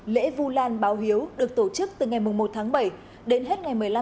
lễ vù lan báo hiếu được tổ chức từ ngày một tháng bảy đến hết ngày một mươi năm tháng bảy âm lịch hàng năm